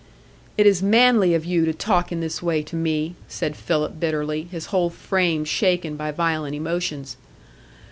"It is manly of you to talk in this way to me," said Philip, bitterly, his whole frame shaken by violent emotions.